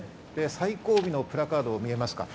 最後尾のプラカード、見えますか？